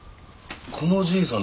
このじいさん